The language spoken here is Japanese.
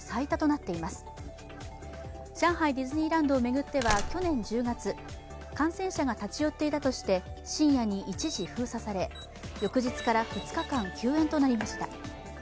ディズニーランドを巡っては去年１０月、感染者が立ち寄っていたとして深夜に一時封鎖され、翌日から２日間休園となりました。